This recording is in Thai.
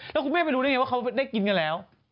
แล้วคุณแม่ไปรู้ได้ไงว่าเขาได้กินกันแล้ว